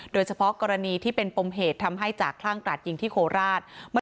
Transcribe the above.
โดยเฉพาะกรณีที่เป็นปมเหตุทำให้จากคลั่งกราดยิงที่โคราช